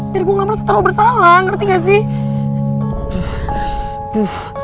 biar gue gak merasa terlalu bersalah ngerti gak sih